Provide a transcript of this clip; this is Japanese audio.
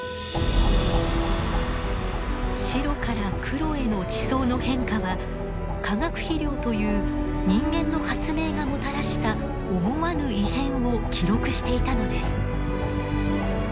白から黒への地層の変化は化学肥料という人間の発明がもたらした思わぬ異変を記録していたのです。